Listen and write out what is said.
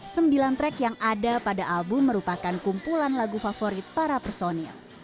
sembilan track yang ada pada album merupakan kumpulan lagu favorit para personil